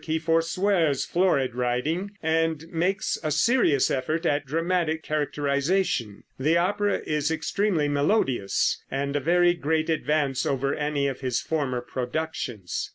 In this work he forswears florid writing, and makes a serious effort at dramatic characterization. The opera is extremely melodious, and a very great advance over any of his former productions.